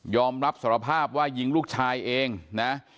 อมรับสารภาพว่ายิงลูกชายเองนะ